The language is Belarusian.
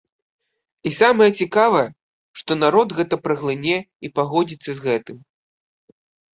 І самае цікавае, што народ гэта праглыне і пагодзіцца з гэтым.